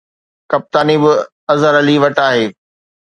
ڪپتاني به اظهر علي وٽ آهي